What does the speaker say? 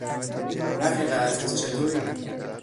رفیق عزیز چطوری؟